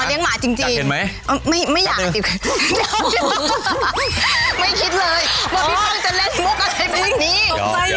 อ๋อเลี้ยงหมาจริง